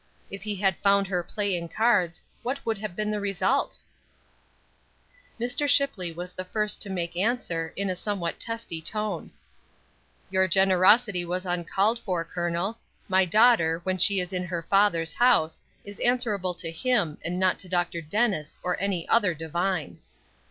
If he had found her playing cards, what would have been the result?" Mr. Shipley was the first to make answer, in a somewhat testy tone: "Your generosity was uncalled for, Colonel. My daughter, when she is in her father's house, is answerable to him, and not to Dr. Dennis, or any other divine."